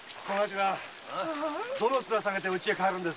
どの面下げて家へ帰るんです？